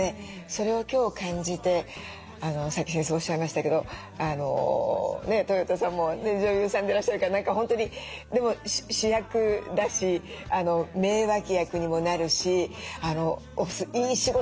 それを今日感じてさっき先生おっしゃいましたけどとよたさんも女優さんでいらっしゃるから何か本当にでも主役だし名脇役にもなるしお酢いい仕事されるなって。